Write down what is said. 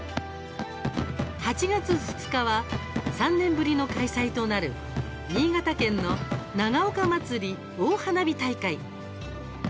８月２日は３年ぶりの開催となる新潟県の長岡まつり大花火大会。